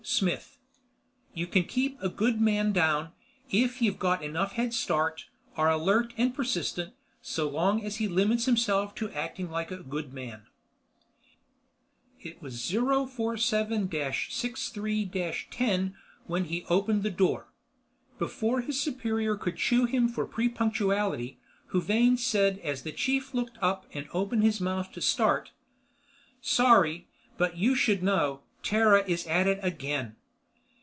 SMITH You can keep a good man down, if you've got enough headstart, are alert and persistent ... so long as he limits himself to acting like a good man.... Illustrated by Martinez IT WAS 047 63 10 when he opened the door. Before his superior could chew him for prepunctuality, Huvane said as the chief looked up and opened his mouth to start: "Sorry, but you should know. Terra is at it again."